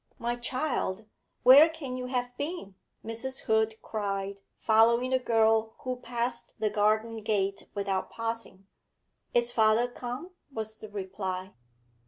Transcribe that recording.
'My child, where can you have been?' Mrs. Hood cried, following the girl who passed the garden gate without pausing. 'Is father come?' was the reply.